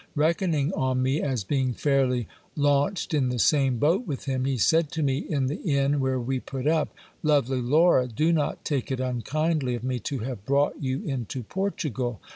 Reckoning on me as being fairly launched in the same boat with him, he said to me in the inn where we put up, Lovely Laura, do not take it unkindly of me to have brought you into Portugal.